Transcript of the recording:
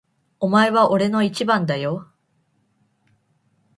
お前は俺の一番だよ。